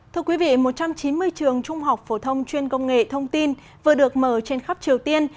thưa quý vị một trăm chín mươi trường trung học phổ thông chuyên công nghệ thông tin vừa được mở trên khắp triều tiên